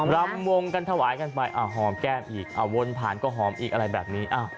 รำวงกันถวายกันไปหอมแก้มอีกวนผ่านก็หอมอีกอะไรแบบนี้